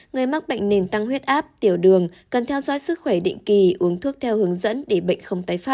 người mắc bệnh nền tăng huyết áp tiểu đường cần theo dõi sức khỏe định kỳ uống thuốc theo hướng dẫn để bệnh không tái phát